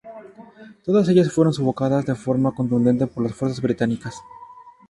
Todas ellas fueron sofocadas de forma contundente por las fuerzas británicas.